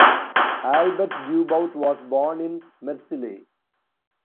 Albert Dubout was born in Marseille.